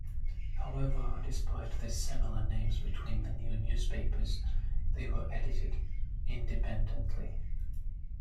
However, despite the similar names between the new newspapers, they were edited independently.